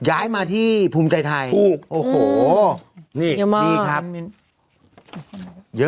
ย้ายมาที่ภูมิใจไทยถูกโอ้โหนี่เยอะมาก